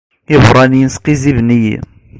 Iberraniyen sqizziben-iyi.